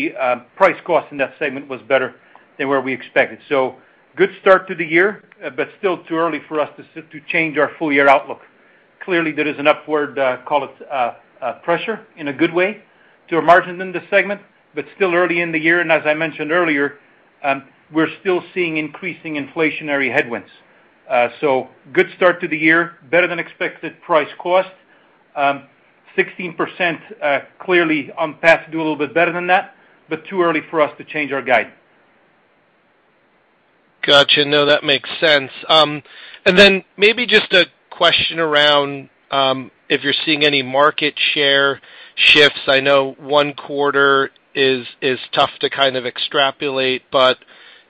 price cost in that segment was better than where we expected. Good start to the year, but still too early for us to change our full year outlook. Clearly, there is an upward call it pressure in a good way to our margin in this segment, but still early in the year. As I mentioned earlier, we're still seeing increasing inflationary headwinds. Good start to the year, better than expected price cost. 16%, clearly on path to do a little bit better than that, but too early for us to change our guidance. Gotcha. No, that makes sense. Maybe just a question around if you're seeing any market share shifts. I know one quarter is tough to kind of extrapolate, but,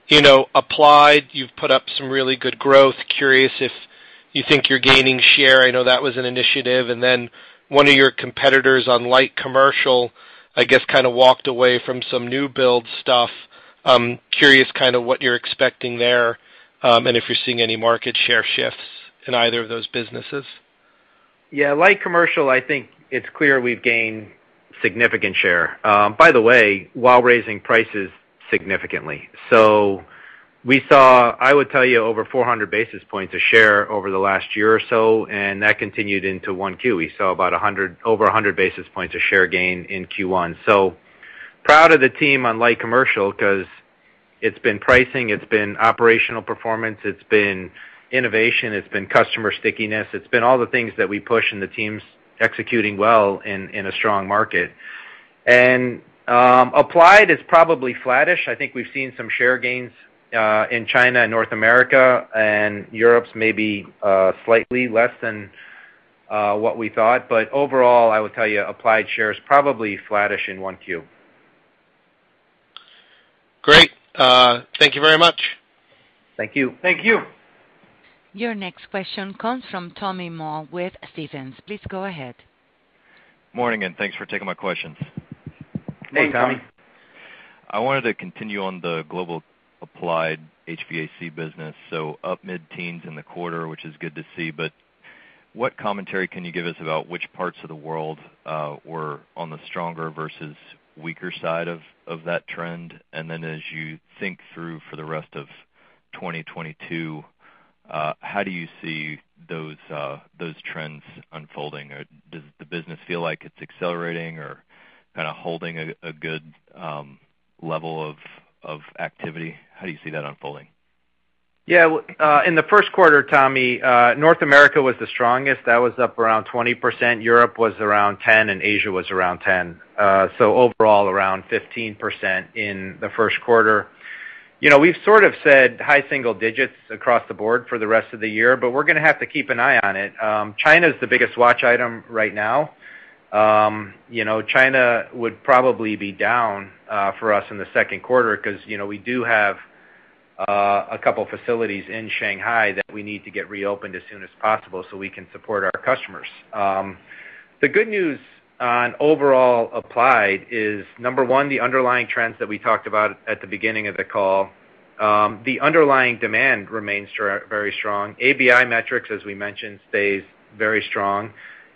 you know, Applied, you've put up some really good growth. Curious if you think you're gaining share. I know that was an initiative. One of your competitors on light commercial, I guess, kind of walked away from some new build stuff. Curious kind of what you're expecting there, and if you're seeing any market share shifts in either of those businesses. Yeah. Light commercial, I think it's clear we've gained significant share, by the way, while raising prices significantly. We saw, I would tell you, over 400 basis points of share over the last year or so, and that continued into 1Q. We saw about 100, over 100 basis points of share gain in Q1. Proud of the team on light commercial 'cause it's been pricing, it's been operational performance, it's been innovation, it's been customer stickiness. It's been all the things that we push, and the team's executing well in a strong market. Applied is probably flattish. I think we've seen some share gains in China and North America, and Europe's maybe slightly less than what we thought. Overall, I would tell you Applied shares probably flattish in 1Q. Great. Thank you very much. Thank you. Thank you. Your next question comes from Tommy Moll with Stephens. Please go ahead. Morning, and thanks for taking my questions. Hey, Tommy. I wanted to continue on the global Applied HVAC business. Up mid-teens in the quarter, which is good to see, but what commentary can you give us about which parts of the world were on the stronger versus weaker side of that trend? As you think through for the rest of 2022, how do you see those trends unfolding? Or does the business feel like it's accelerating or kinda holding a good level of activity? How do you see that unfolding? Yeah. In the first quarter, Tommy, North America was the strongest. That was up around 20%. Europe was around 10%, and Asia was around 10%. Overall, around 15% in the first quarter. You know, we've sort of said high single-digits across the board for the rest of the year, but we're gonna have to keep an eye on it. China's the biggest watch item right now. You know, China would probably be down for us in the second quarter 'cause, you know, we do have a couple facilities in Shanghai that we need to get reopened as soon as possible so we can support our customers. The good news on overall Applied is, number one, the underlying trends that we talked about at the beginning of the call, the underlying demand remains very strong. ABI metrics, as we mentioned, stays very strong.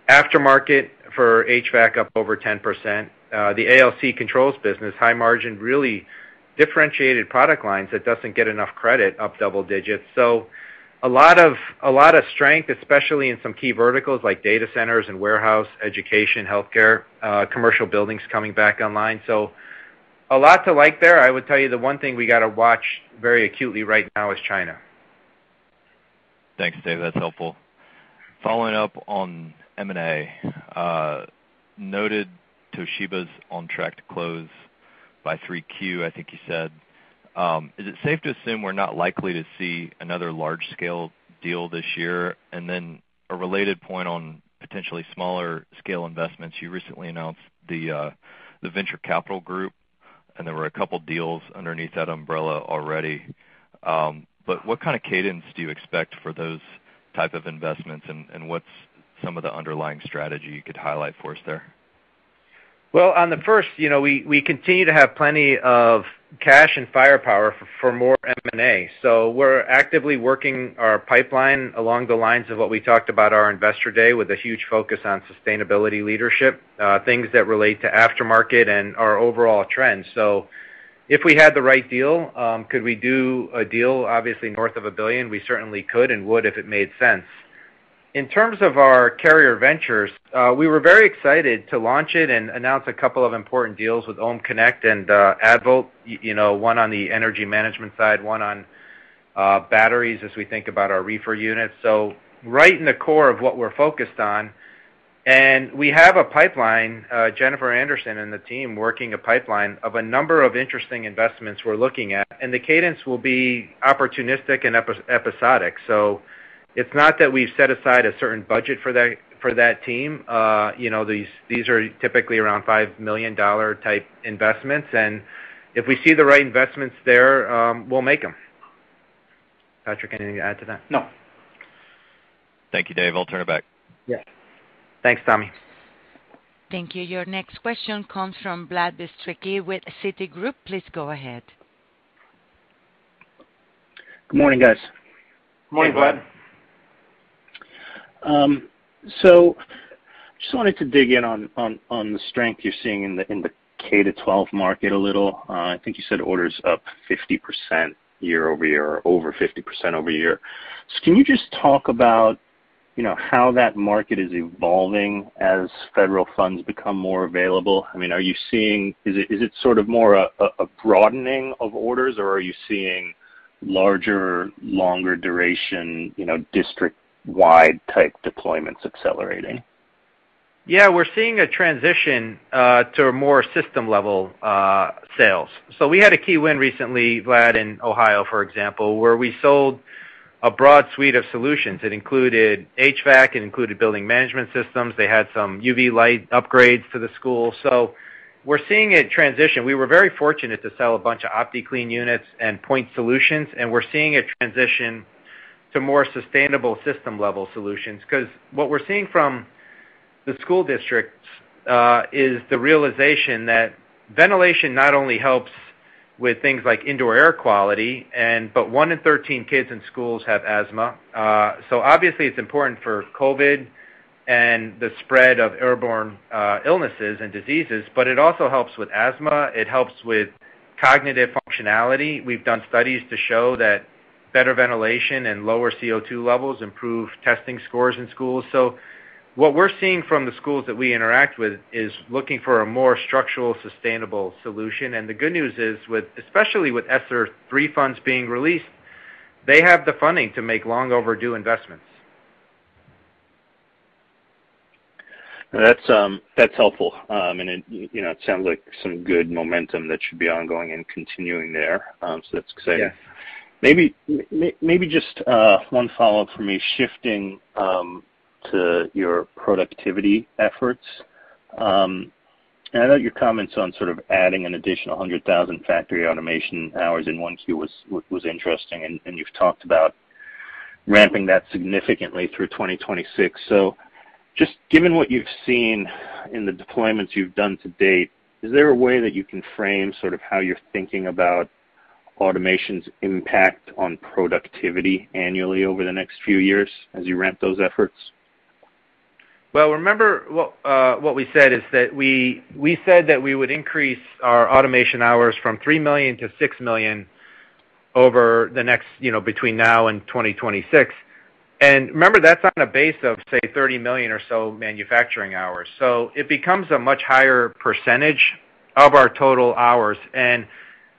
Aftermarket for HVAC up over 10%. The ALC controls business, high margin, really differentiated product lines that doesn't get enough credit, up double digits. A lot of strength, especially in some key verticals like data centers and warehouse, education, healthcare, commercial buildings coming back online. A lot to like there. I would tell you the one thing we gotta watch very acutely right now is China. Thanks, Dave. That's helpful. Following up on M&A, noted Toshiba's on track to close by 3Q, I think you said. Is it safe to assume we're not likely to see another large-scale deal this year? A related point on potentially smaller scale investments, you recently announced the venture capital group, and there were a couple deals underneath that umbrella already. What kind of cadence do you expect for those type of investments, and what's some of the underlying strategy you could highlight for us there? Well, on the first, you know, we continue to have plenty of cash and firepower for more M&A. We're actively working our pipeline along the lines of what we talked about our Investor Day with a huge focus on sustainability leadership, things that relate to aftermarket and our overall trends. If we had the right deal, could we do a deal obviously north of $1 billion? We certainly could and would if it made sense. In terms of our Carrier Ventures, we were very excited to launch it and announce a couple of important deals with OhmConnect and AddVolt, you know, one on the energy management side, one on batteries as we think about our reefer units, right in the core of what we're focused on. We have a pipeline, Jennifer Anderson and the team working a pipeline of a number of interesting investments we're looking at, and the cadence will be opportunistic and episodic. It's not that we've set aside a certain budget for that, for that team. You know, these are typically around $5 million type investments. If we see the right investments there, we'll make them. Patrick, anything to add to that? No. Thank you, Dave. I'll turn it back. Yeah. Thanks, Tommy. Thank you. Your next question comes from Vlad Bystricky with Citigroup. Please go ahead. Good morning, guys. Morning, Vlad. Just wanted to dig in on the strength you're seeing in the K-12 market a little. I think you said orders up 50% year-over-year. Can you just talk about, you know, how that market is evolving as federal funds become more available? I mean, are you seeing it? Is it sort of more a broadening of orders, or are you seeing larger, longer duration, you know, district-wide type deployments accelerating? Yeah, we're seeing a transition to a more system-level sales. We had a key win recently, Vlad, in Ohio, for example, where we sold a broad suite of solutions that included HVAC, it included building management systems. They had some UV light upgrades for the school. We're seeing it transition. We were very fortunate to sell a bunch of OptiClean units and point solutions, and we're seeing a transition to more sustainable system-level solutions. 'Cause what we're seeing from the school districts is the realization that ventilation not only helps with things like indoor air quality but one in thirteen kids in schools have asthma. Obviously it's important for COVID and the spread of airborne illnesses and diseases, but it also helps with asthma. It helps with cognitive functionality. We've done studies to show that better ventilation and lower CO2 levels improve testing scores in schools. What we're seeing from the schools that we interact with is looking for a more structural, sustainable solution. The good news is, especially with ESSER III funds being released, they have the funding to make long overdue investments. That's helpful. You know it sounds like some good momentum that should be ongoing and continuing there. That's exciting. Yeah. Maybe just one follow-up for me shifting to your productivity efforts. I know your comments on sort of adding an additional 100,000 factory automation hours in 1Q was interesting, and you've talked about ramping that significantly through 2026. Just given what you've seen in the deployments you've done to date, is there a way that you can frame sort of how you're thinking about automation's impact on productivity annually over the next few years as you ramp those efforts? Well, remember what we said is that we said that we would increase our automation hours from 3 million to 6 million over the next between now and 2026. Remember, that's on a base of, say, 30 million or so manufacturing hours. It becomes a much higher percentage of our total hours.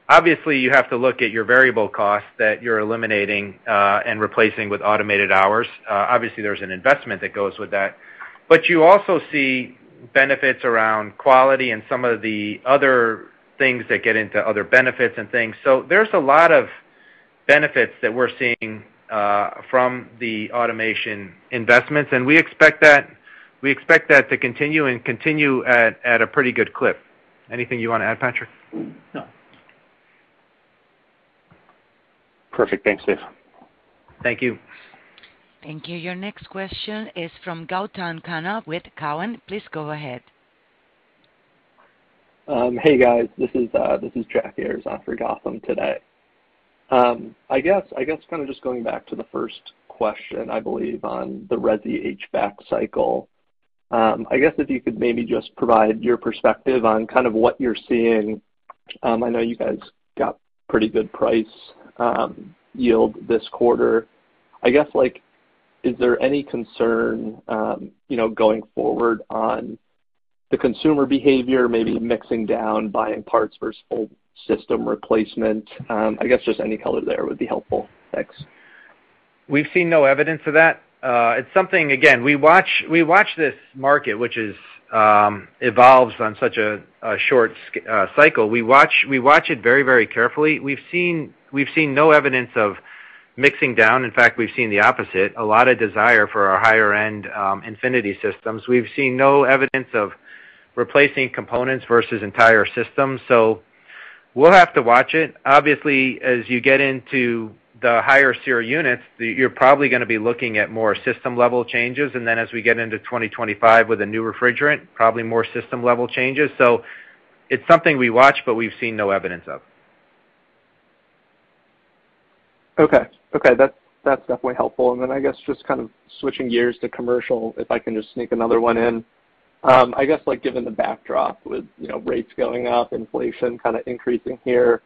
Obviously, you have to look at your variable costs that you're eliminating and replacing with automated hours. Obviously, there's an investment that goes with that. You also see benefits around quality and some of the other things that get into other benefits and things. There's a lot of benefits that we're seeing from the automation investments, and we expect that to continue at a pretty good clip. Anything you wanna add, Patrick? No. Perfect. Thanks, Dave. Thank you. Thank you. Your next question is from Gautam Khanna with Cowen. Please go ahead. Hey, guys. This is Jack Ayers for Gautam today. I guess kinda just going back to the first question, I believe, on the resi HVAC cycle. I guess if you could maybe just provide your perspective on kind of what you're seeing. I know you guys got pretty good price yield this quarter. I guess, like, is there any concern, you know, going forward on the consumer behavior maybe mixing down buying parts versus whole system replacement? I guess just any color there would be helpful. Thanks. We've seen no evidence of that. It's something, again, we watch this market, which evolves on such a short cycle. We watch it very carefully. We've seen no evidence of mixing down. In fact, we've seen the opposite, a lot of desire for our higher-end Infinity systems. We've seen no evidence of replacing components versus entire systems. We'll have to watch it. Obviously, as you get into the higher SEER units, you're probably gonna be looking at more system-level changes, and then as we get into 2025 with a new refrigerant, probably more system-level changes. It's something we watch, but we've seen no evidence of. Okay, that's definitely helpful. I guess just kind of switching gears to commercial, if I can just sneak another one in. I guess, like, given the backdrop with, you know, rates going up, inflation kinda increasing here,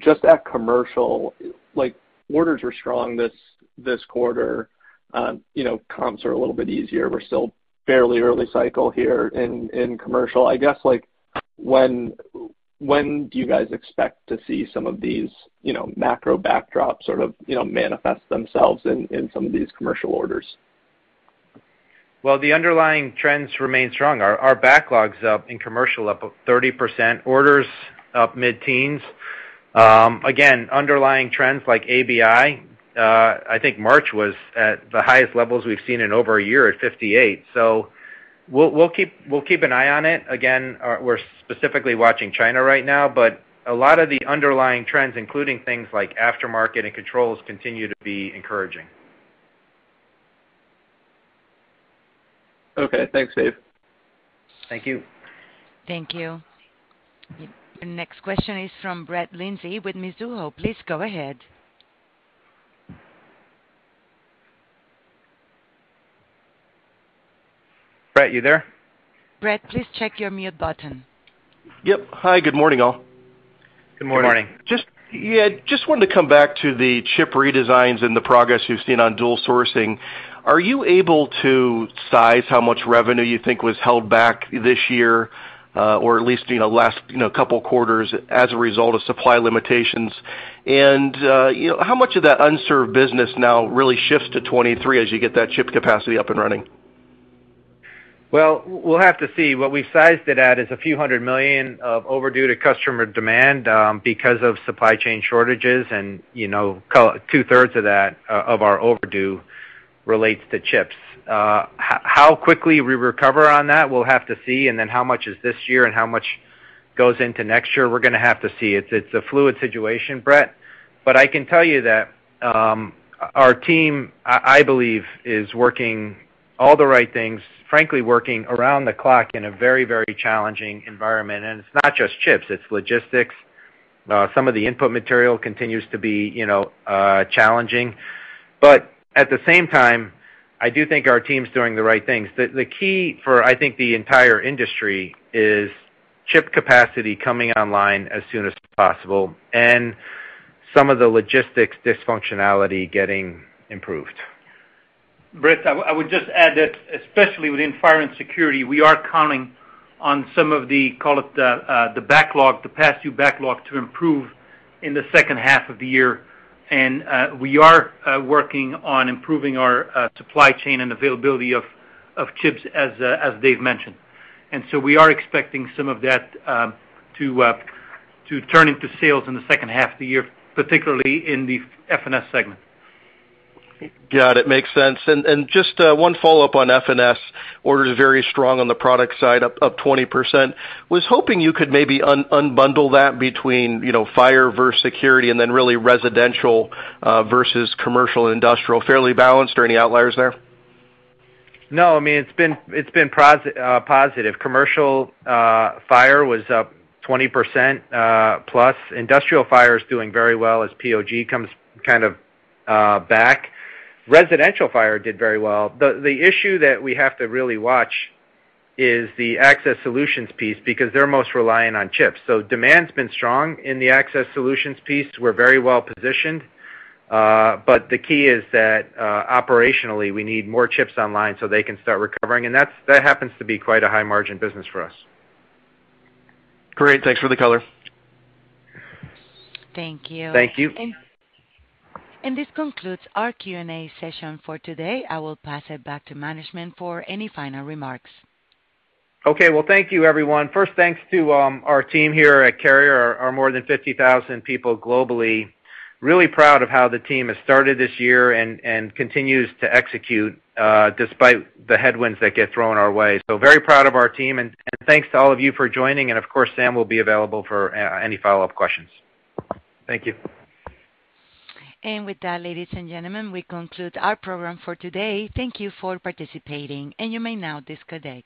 just at commercial, like, orders were strong this quarter. You know, comps are a little bit easier. We're still fairly early cycle here in commercial. I guess, like, when do you guys expect to see some of these, you know, macro backdrops sort of, you know, manifest themselves in some of these commercial orders? Well, the underlying trends remain strong. Our backlog's up in commercial, up over 30%, orders up mid-teens. Again, underlying trends like ABI, I think March was at the highest levels we've seen in over a year at 58. We'll keep an eye on it. Again, we're specifically watching China right now, but a lot of the underlying trends, including things like aftermarket and controls, continue to be encouraging. Okay. Thanks, Dave. Thank you. Thank you. The next question is from Brett Linzey with Mizuho. Please go ahead. Brett, you there? Brett, please check your mute button. Yep. Hi, good morning, all. Good morning. Yeah, just wanted to come back to the chip redesigns and the progress you've seen on dual sourcing. Are you able to size how much revenue you think was held back this year, or at least, you know, last couple quarters as a result of supply limitations? You know, how much of that unserved business now really shifts to 2023 as you get that chip capacity up and running? Well, we'll have to see. What we've sized it at is a few hundred million dollars of overdue due to customer demand, because of supply chain shortages. You know, call it 2/3 of that of our overdue relates to chips. How quickly we recover on that, we'll have to see, and then how much is this year and how much goes into next year, we're gonna have to see. It's a fluid situation, Brett. But I can tell you that, our team, I believe, is working all the right things, frankly, working around the clock in a very, very challenging environment. It's not just chips, it's logistics. Some of the input material continues to be, you know, challenging. But at the same time, I do think our team's doing the right things. The key for, I think, the entire industry is chip capacity coming online as soon as possible and some of the logistics dysfunctionality getting improved. Brett, I would just add that especially within fire and security, we are counting on some of the past due backlog to improve in the second half of the year. We are working on improving our supply chain and availability of chips as Dave mentioned. We are expecting some of that to turn into sales in the second half of the year, particularly in the F&S segment. Yeah. Got it. Makes sense. Just one follow-up on F&S. Order's very strong on the product side, up 20%. Was hoping you could maybe unbundle that between, you know, fire versus security and then really residential versus commercial and industrial. Fairly balanced or any outliers there? No. I mean, it's been positive. Commercial fire was up 20% plus. Industrial fire is doing very well as O&G comes kind of back. Residential fire did very well. The issue that we have to really watch is the access solutions piece because they're most reliant on chips. So demand's been strong in the access solutions piece. We're very well-positioned. But the key is that operationally, we need more chips online so they can start recovering, and that happens to be quite a high-margin business for us. Great. Thanks for the color. Thank you. Thank you. This concludes our Q&A session for today. I will pass it back to management for any final remarks. Okay. Well, thank you, everyone. First, thanks to our team here at Carrier, our more than 50,000 people globally. Really proud of how the team has started this year and continues to execute despite the headwinds that get thrown our way. Very proud of our team, and thanks to all of you for joining. Of course, Sam will be available for any follow-up questions. Thank you. With that, ladies and gentlemen, we conclude our program for today. Thank you for participating, and you may now disconnect.